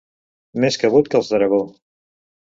Més cabut que els d'Aragó.